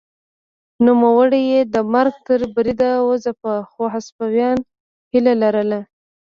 نوموړی یې د مرګ تر بریده وځپه خو هسپانیا هیله لرله.